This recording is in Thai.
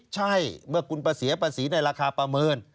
ใช่เมื่อคุณไปเสียภาษีในราคาประเมิน